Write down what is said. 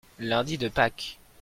lundi de Pâques.